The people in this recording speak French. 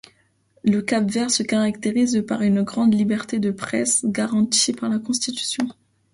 Le Cap-Vert se caractérise par une grande liberté de presse, garantie par la Constitution.